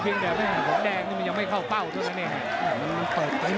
เพียงแต่ไม่หาหลมแดงนี่มันยังไม่เข้าเป้าตรงนี้